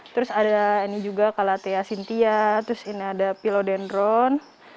terus ada ini juga kalatea cynthia terus ini ada pilodendron